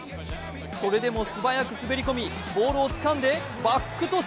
それでも素早く滑り込みボールをつかんでバックトス。